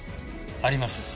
あります。